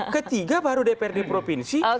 ketiga baru dprd provinsi